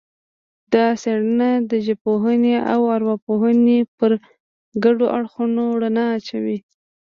دا څېړنه د ژبپوهنې او ارواپوهنې پر ګډو اړخونو رڼا اچوي